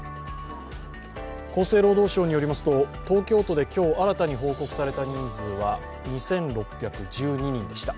厚生労働省によりますと東京都で今日新たに報告された人数は２６１２人でした。